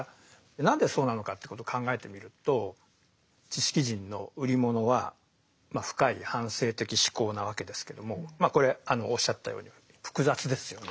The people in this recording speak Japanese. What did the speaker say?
何でそうなのかってこと考えてみると知識人の売り物はまあ深い反省的思考なわけですけどもまあこれおっしゃったように複雑ですよね。